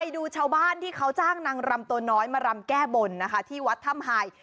ดูชาวบ้านที่เขาจ้างนางรำตัวน้อยมารำแก้บนนะคะที่วัดถ้ำไฮ